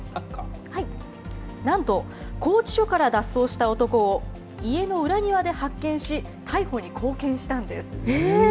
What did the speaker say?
なんと拘置所から脱走した男を家の裏庭で発見し、逮捕に貢献したんです。